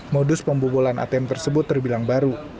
modus pembobolan atm tersebut terbilang baru